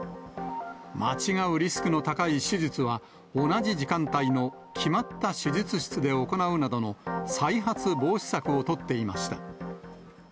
間違うリスクの高い手術は、同じ時間帯の決まった手術室で行うなどの再発防止策を取っていました。